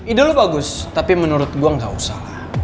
ide lo bagus tapi menurut gue gak usah lah